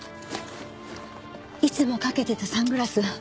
いつもかけてたサングラス。